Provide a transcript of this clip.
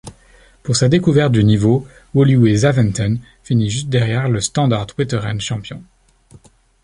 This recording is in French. Pour sa découverte du niveau, Woluwe-Zaventem finit juste derrière le Standaard Wetteren champion.